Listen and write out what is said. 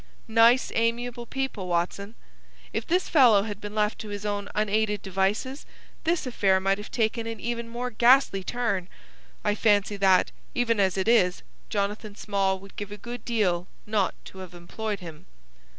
Nice, amiable people, Watson! If this fellow had been left to his own unaided devices this affair might have taken an even more ghastly turn. I fancy that, even as it is, Jonathan Small would give a good deal not to have employed him."